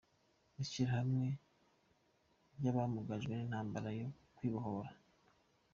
– Ishyirahamwe ry’abamugajwe n’intambara yo kwibohora